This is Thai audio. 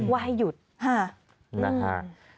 ว่าให้หยุดนะฮะนะฮะ